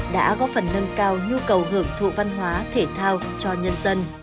đã có phần nâng cao nhu cầu hưởng thụ văn hóa thể thao cho nhân dân